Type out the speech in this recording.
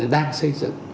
đang xây dựng